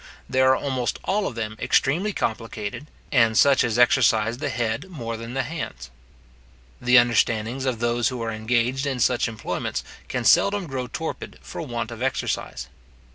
They are almost all of them extremely complicated, and such as exercise the head more than the hands. The understandings of those who are engaged in such employments, can seldom grow torpid for want of exercise.